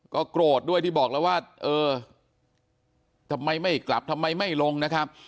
ก็โกรธด้วยที่บอกแล้วว่าเออทำไมไม่กลับทำไมไม่ลงนะครับ